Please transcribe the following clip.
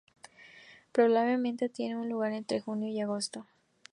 Probablemente tiene lugar entre junio y agosto.